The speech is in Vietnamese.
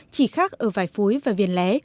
chỉ khác ở vài phối và viền lé